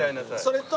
それと？